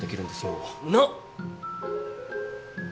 なっ！？